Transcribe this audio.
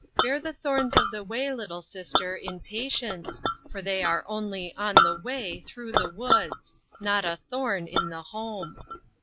Bear the thorns of the way, little sister, in patience, for they are only on the way through the woods ; not a thorn in the home.